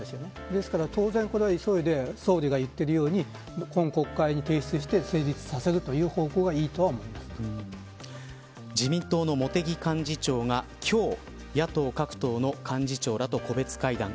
ですから、当然急いで総理が言ってるように今国会に提出して成立させる方向が自民党の茂木幹事長が今日、野党各党の幹事長らと個別会談。